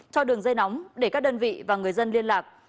cho đường dây nóng để các đơn vị và người dân liên lạc